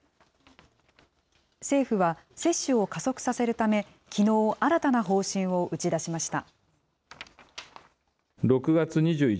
政府は接種を加速させるため、きのう、新たな方針を打ち出しました。